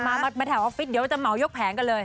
มาแถวออฟฟิศเดี๋ยวจะเหมายกแผงกันเลย